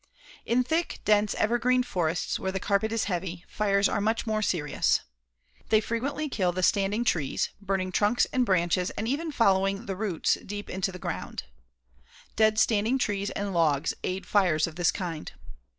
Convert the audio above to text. In thick, dense evergreen forests where the carpet is heavy, fires are much more serious. They frequently kill the standing trees, burning trunks and branches and even following the roots deep into the ground. Dead standing trees and logs aid fires of this kind.